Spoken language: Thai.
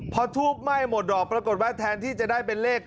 พอทูบไหม้หมดดอกปรากฏว่าแทนที่จะได้เป็นเลข